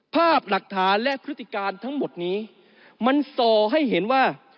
ภาพหลักฐานและพฤติการทั้งหมดนี้มันส่อให้เห็นว่า